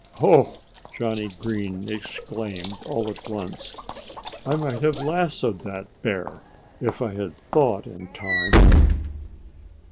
"Ho!" Johnnie Green exclaimed all at once. "I might have lassoed that bear if I had thought in time."